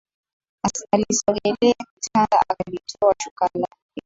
Alisogelea kitanda akalitoa shuka lake